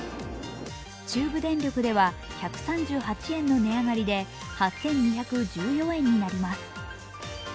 中部電力では１３８円の値上がりで８２１４円になります。